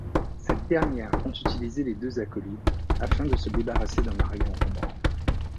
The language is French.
Cette dernière compte utiliser les deux acolytes afin de se débarrasser d'un mari encombrant.